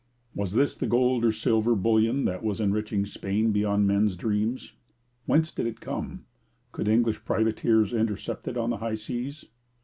Was this the gold and silver bullion that was enriching Spain beyond men's dreams? Whence did it come? Could English privateers intercept it on the high seas?